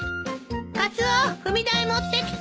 カツオ踏み台持ってきて。